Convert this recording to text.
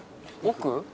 奥。